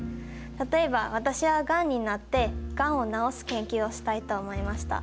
例えば、私はがんになってがんを治す研究をしたいと思いました。